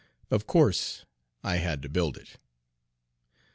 Of course I had to build it.